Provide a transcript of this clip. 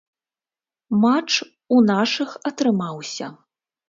Матч у нашых атрымаўся.